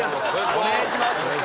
お願いします。